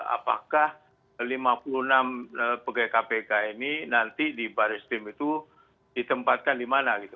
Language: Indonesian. apakah lima puluh enam pegawai kpk ini nanti di baris tim itu ditempatkan di mana gitu